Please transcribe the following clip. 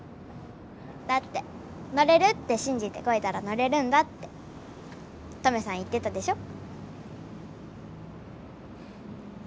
だってのれるってしんじてこいだらのれるんだってトメさん言ってたでしょ？